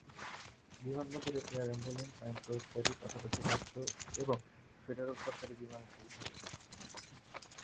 বিমানবন্দরে air ambulance, আইন প্রয়োগকারী, পাশাপাশি রাজ্য এবং ফেডারেল সরকারী বিমানের সুবিধা রয়েছে।